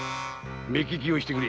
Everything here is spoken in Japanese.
目利きをしてくれ。